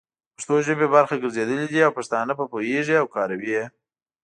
د پښتو ژبې برخه ګرځېدلي دي او پښتانه په پوهيږي او کاروي يې،